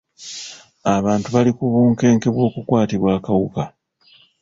Abantu bali ku bunkenke bw'okukwatibwa akawuka.